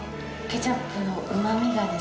ケチャップのうまみがですね